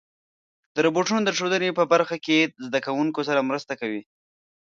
روبوټونه د ښوونې په برخه کې زدهکوونکو سره مرسته کوي.